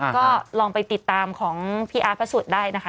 ก็ลองไปติดตามของพี่อาร์ตพระสุทธิ์ได้นะคะ